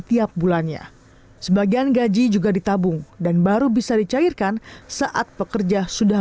tiap bulannya sebagian gaji juga ditabung dan baru bisa dicairkan saat pekerja sudah